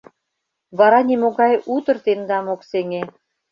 Вара нимогай утыр тендам ок сеҥе.